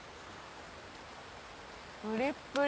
・プリップリ！